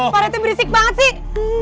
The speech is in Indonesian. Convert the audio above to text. pak rt berisik banget sih